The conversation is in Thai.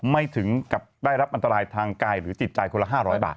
ไม่ถึงกับได้รับอันตรายทางกายหรือจิตใจคนละ๕๐๐บาท